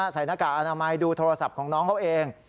หน้ากากอนามัยดูโทรศัพท์ของน้องเขาเอง